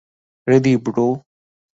Ready, bro?